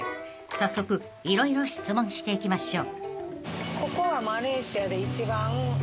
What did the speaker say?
［早速色々質問していきましょう］